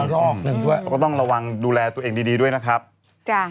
รอกหนึ่งด้วยก็ต้องระวังดูแลตัวเองดีดีด้วยนะครับจ้ะ